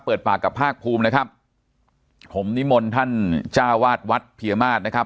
เปิดปากกับภาคภูมินะครับผมนิมนต์ท่านจ้าวาดวัดเพียมาศนะครับ